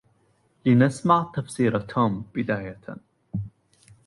لنسمع تفسير توم بدايةً.